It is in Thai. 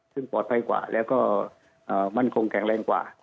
ซึ่งปลอดภัยกว่าแล้วก็มั่นคงแข็งแรงกว่า